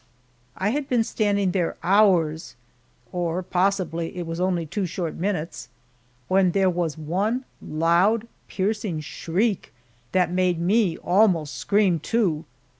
I had been standing there hours or possibly it was only two short minutes when there was one loud, piercing shriek, that made me almost scream, too.